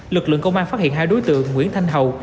lực lượng công an phát hiện hai đối tượng nguyễn thanh hậu